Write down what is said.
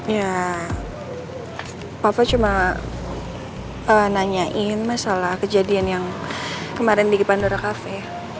ya papa cuma nanyain masalah kejadian yang kemarin di pandora kafe